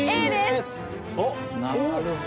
なるほど。